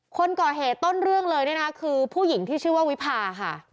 คนก่อเหตุต้นเรื่องเลยเนี่ยนะคือผู้หญิงที่ชื่อว่าวิพาค่ะ